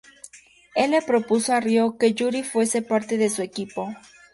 Él le propuso a Ryo que Yuri fuese parte de su equipo.